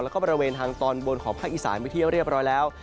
แล้วก็บริเวณทางตอนบนของภาคอีสานไปที่เรียบร้อยแล้ว